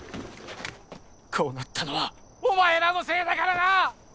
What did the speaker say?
こうなったのはお前らのせいだからな！